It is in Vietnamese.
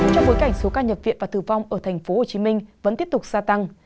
trong bối cảnh số ca nhập viện và tử vong ở tp hcm vẫn tiếp tục gia tăng